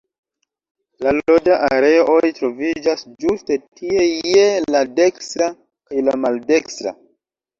La loĝa areoj troviĝas ĝuste tie je la dekstra kaj la maldekstra.